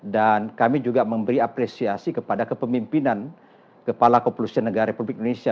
dan kami juga memberi apresiasi kepada kepemimpinan kepala kepulusan negara republik indonesia